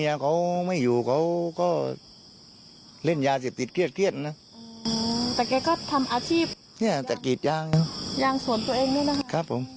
ยางสวนตัวเองนะครับ